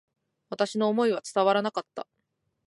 私の思いは伝わらなかった。